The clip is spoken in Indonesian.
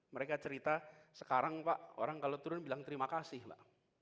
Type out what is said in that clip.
mereka cerita sekarang pak orang kalau turun bilang terima kasih pak